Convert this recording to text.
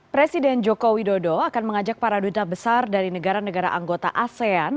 presiden joko widodo akan mengajak para duta besar dari negara negara anggota asean